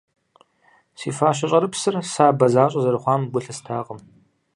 Си фащэ щӏэрыпсыр сабэ защӏэ зэрыхъуам гу лъыстакъым.